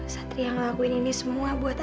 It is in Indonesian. satria ngelakuin ini semua buat